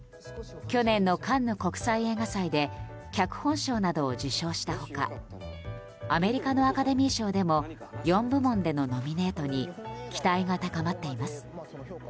去年のカンヌ国際映画祭で脚本賞などを受賞した他アメリカのアカデミー賞でも４部門でのノミネートに期待が高まっています。